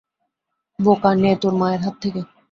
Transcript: বোকা, নে তোর মায়ের হাত থেকে।